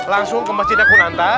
langsung ke masjidnya kunanta